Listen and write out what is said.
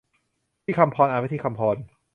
ฑิฆัมพร อ่านว่าทิคำพอน